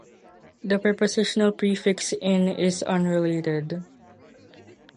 The prepositional prefix "in-" is unrelated.